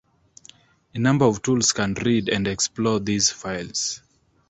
A number of tools can read and explore these files.